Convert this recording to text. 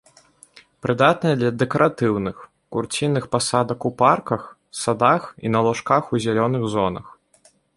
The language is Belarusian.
Прыдатны для дэкаратыўных, курцінных пасадак у парках, садах і на лужках у зялёных зонах.